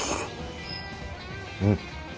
うん！